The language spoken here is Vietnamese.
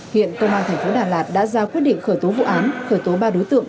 hiện công an thành phố đà lạt đã ra quyết định khởi tố vụ án khởi tố ba đối tượng